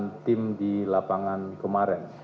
dengan tim di lapangan kemarin